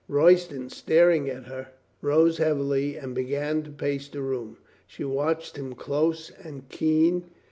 Royston, staring at her, rose heavily and began to pace the room. She watched him close and keen.